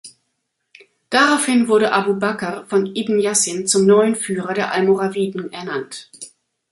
Daraufhin wurde Abu Bakr von Ibn Yasin zum neuen Führer der Almoraviden ernannt.